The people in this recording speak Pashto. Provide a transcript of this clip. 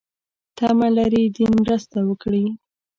تمه لري دین مرسته وکړي.